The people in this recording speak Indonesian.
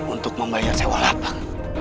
untuk membayar sewa lapak